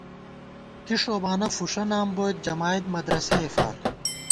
کی ݭوبانہ فُݭہ نام بوئیت، جمائید مدرَسَئے فار